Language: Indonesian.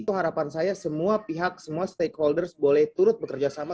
itu harapan saya semua pihak semua stakeholders boleh turut bekerja sama